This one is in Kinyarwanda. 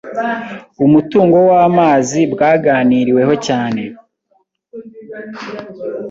umutungo wamazi bwaganiriweho cyane